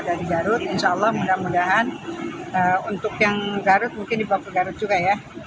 tapi kalau untuk pecah menilai bpd nanti bisa menyusul di kloter dua insya allah